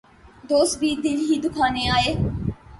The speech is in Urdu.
دوست بھی دل ہی دکھانے آئے